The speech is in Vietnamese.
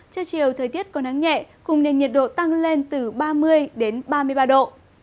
trời chiều thời tiết còn nắng nhẹ cùng nền nhiệt độ tăng lên từ ba mươi ba mươi ba độ